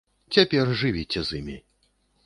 Цяпер жывіце з імі.